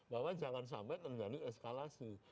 bahwa jangan sampai terjadi eskalasi